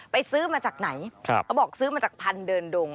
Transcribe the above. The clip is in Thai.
ซื้อมาจากไหนเขาบอกซื้อมาจากพันธุ์เดินดง